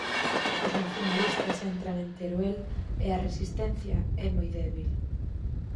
Os nacionalistas entran en Teruel e a resistencia é moi débil.